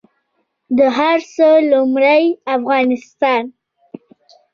د هر څه لومړۍ افغانستان